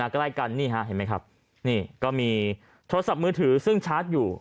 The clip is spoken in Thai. ใกล้กันนี่ฮะเห็นไหมครับนี่ก็มีโทรศัพท์มือถือซึ่งชาร์จอยู่